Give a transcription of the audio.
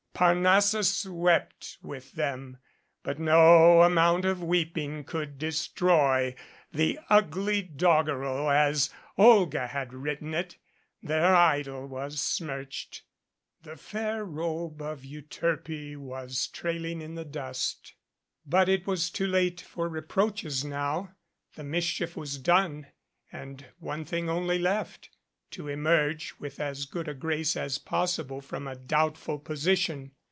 Parnassus wept with them, but no amount of weeping could destroy the ugly doggerel as Olga had written it. Their idyl was smirched, the fair robe of Euterpe was trailing in the dust. But it was too late for reproaches now. The mischief was done ard one thing only left to emerge with as good a grace as possible from a doubtful position.